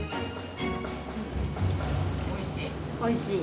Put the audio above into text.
おいしい。